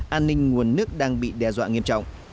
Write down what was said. an ninh nguồn nước đang bị đe dọa nghiêm trọng